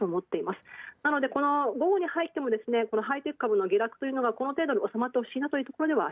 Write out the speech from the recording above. なので、午後に入ってもハイテク株の下落はこの程度で収まってほしいと。